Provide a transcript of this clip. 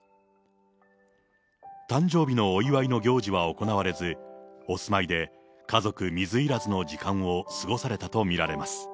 誕生日のお祝いの行事は行われず、お住まいで家族水入らずの時間を過ごされたと見られます。